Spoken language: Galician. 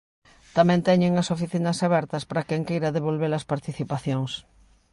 Tamén teñen as oficinas abertas para quen queira devolver as participacións.